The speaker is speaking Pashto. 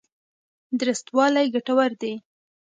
درستوالی ګټور دی.